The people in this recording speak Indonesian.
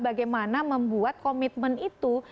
bagaimana membuat komitmen itu